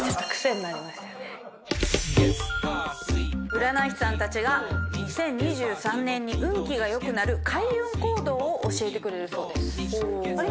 占い師さんたちが２０２３年に運気が良くなる開運行動を教えてくれるそうです。